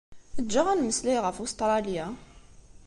Eǧǧ-aɣ ad nemmeslay ɣef Ustṛalya.